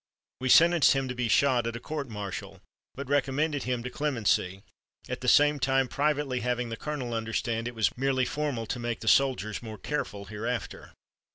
We sentenced him to be shot, at a court martial, but recommended him to clemency; at the same time privately having the colonel understand it was merely formal to make the soldiers more careful hereafter.